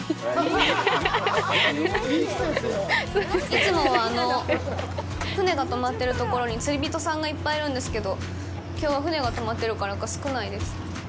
いつもは、あの船が泊まってるところに釣り人さんがいっぱいいるんですけど、きょうは船が泊まってるからか、少ないです。